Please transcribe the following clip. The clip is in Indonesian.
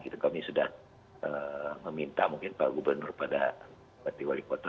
kami sudah meminta mungkin pak gubernur pada bupati wali kota